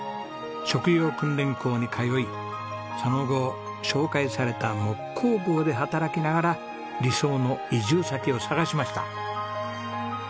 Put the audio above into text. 職業訓練校に通いその後紹介された木工房で働きながら理想の移住先を探しました。